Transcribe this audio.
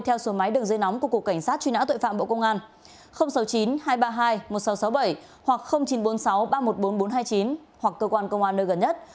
theo số máy đường dây nóng của cục cảnh sát truy nã tội phạm bộ công an sáu mươi chín hai trăm ba mươi hai một nghìn sáu trăm sáu mươi bảy hoặc chín trăm bốn mươi sáu ba trăm một mươi bốn nghìn bốn trăm hai mươi chín hoặc cơ quan công an nơi gần nhất